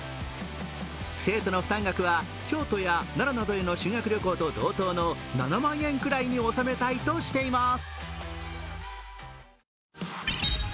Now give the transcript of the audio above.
生徒の負担額は京都や奈良などへの修学旅行と同等の７万円くらいに収めたいとしています。